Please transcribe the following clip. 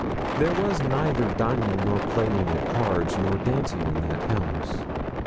There was neither dining, nor playing at cards, nor dancing in that house.